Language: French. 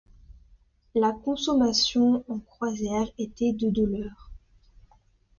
La consommation en croisière était de de l'heure.